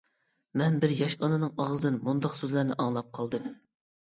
مەن بىر ياش ئانىنىڭ ئاغزىدىن مۇنداق سۆزلەرنى ئاڭلاپ قالدىم.